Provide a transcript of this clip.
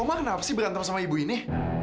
rumah kenapa sih berantem sama ibu ini